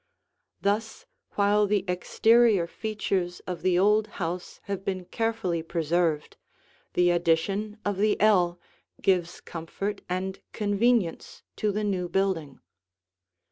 Thus while the exterior features of the old house have been carefully preserved, the addition of the ell gives comfort and convenience to the new building.